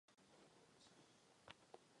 Žije v Hradci Králové.